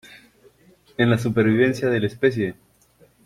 en la supervivencia de la especie